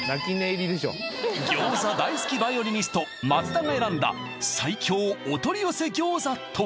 餃子大好きヴァイオリニスト松田が選んだ最強お取り寄せ餃子とは？